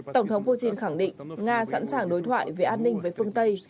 tổng thống putin khẳng định nga sẵn sàng đối thoại về an ninh với phương tây